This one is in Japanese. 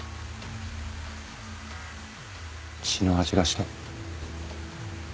血の味がした。